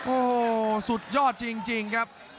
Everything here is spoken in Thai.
โอ้โหสุดยอดจริงครับ